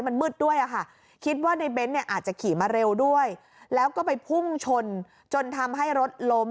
มันมืดด้วยอะค่ะคิดว่าในเบ้นเนี่ยอาจจะขี่มาเร็วด้วยแล้วก็ไปพุ่งชนจนทำให้รถล้ม